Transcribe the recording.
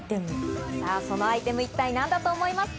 そのアイテム、一体何だと思いますか？